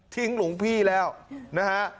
ทิ้งหลุงพี่แล้วนะฮะ